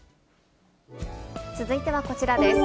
続いてはこちらです。